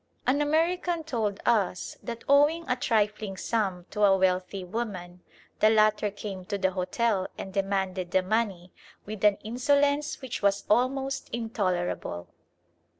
An American told us that, owing a trifling sum to a wealthy woman, the latter came to the hotel and demanded the money with an insolence which was almost intolerable.